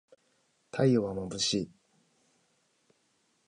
太陽はまぶしい